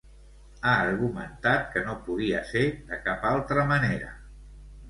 Ha argumentat que no podia ser de cap altra manera.